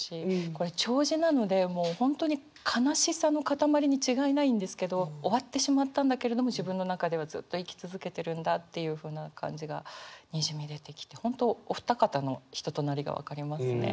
これ弔辞なのでもう本当に悲しさのかたまりに違いないんですけど終わってしまったんだけれども自分の中ではずっと生き続けてるんだっていうふうな感じがにじみ出てきて本当お二方の人となりが分かりますね。